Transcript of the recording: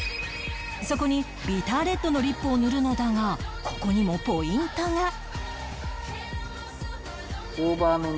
そこにビターレッドのリップを塗るのだがここにもポイントが